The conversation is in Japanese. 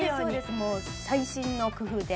もう細心の工夫で。